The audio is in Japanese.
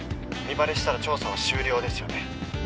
身バレしたら調査は終了ですよね。